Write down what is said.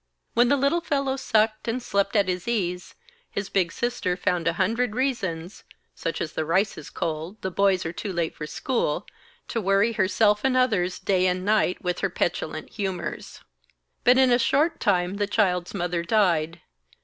When the little fellow sucked and slept at his ease, his big sister found a hundred reasons, such as the rice is cold, the boys are too late for school, to worry herself and others, day and night, with her petulant humours. But in a short time the child's mother died.